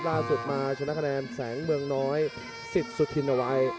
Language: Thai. ล่าสุดมาชนะคะแนนแสงเมืองน้อยสิทธิ์สุธินเอาไว้